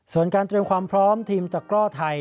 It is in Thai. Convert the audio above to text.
ส่วนการเตรียมความพร้อมทีมตะกร่อไทย